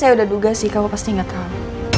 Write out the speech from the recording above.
ya saya udah duga sih kamu pasti ngetraut